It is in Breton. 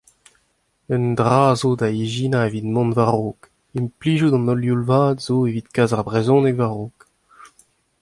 Un dra a zo da ijinañ evit mont war-raok : implijout an holl youl vat zo evit kas ar brezhoneg war-raok.